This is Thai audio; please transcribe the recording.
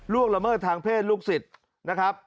ละเมิดทางเพศลูกศิษย์นะครับ